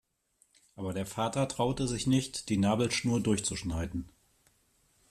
Aber der Vater traute sich nicht, die Nabelschnur durchzuschneiden.